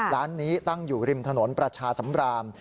ร้านนี้ตั้งอยู่ริมถนนประชาสำราม